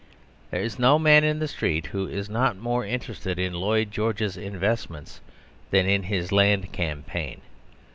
There is no man in the street who is not more interested in Lloyd George's investments than in his Land Campaign.